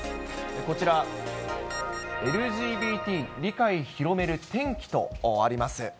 こちら、ＬＧＢＴ理解広める転機とあります。